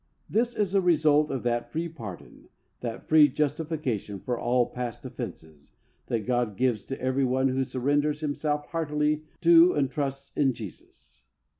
This is a result of that free pardon, that free justification for all past offences', that God gives to every one who surrenders himself heartily to and trusts in Jesus.